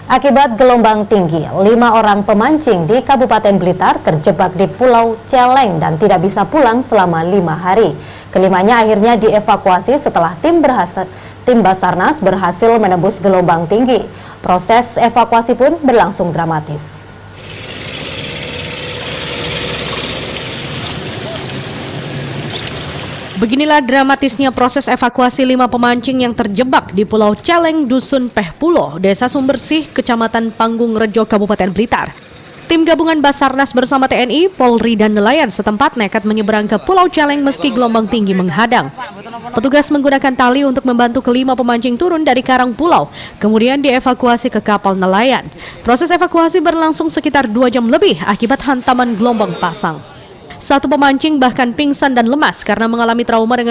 akibat gelombang tinggi lima orang pemancing di kabupaten blitar terjebak di pulau celeng dan tidak bisa pulang selama lima hari